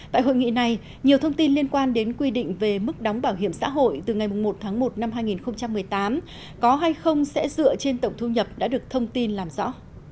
tại hội nghị này nhiều thông tin liên quan đến quy định về mức đóng bảo hiểm xã hội từ ngày một tháng một năm hai nghìn một mươi tám có hay không sẽ dựa trên tổng thu nhập đã được thông tin làm rõ